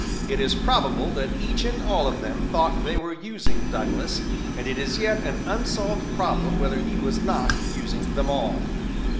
It is probable that each and all of them thought they were using Douglas, and it is yet an unsolved problem whether he was not using them all."